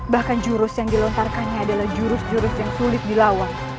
bahkan jurus yang dilontarkannya adalah jurus jurus yang sulit dilawan